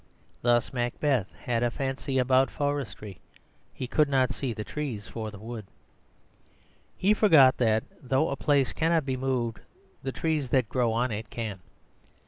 Thus Macbeth had a fallacy about forestry; he could not see the trees for the wood. He forgot that, though a place cannot be moved, the trees that grow on it can.